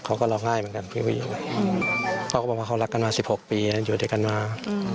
เขาก็รอง่ายเหมือนกันพี่พี่เขาก็บอกว่าเขารักกันมาสิบหกปีอยู่ด้วยกันมาก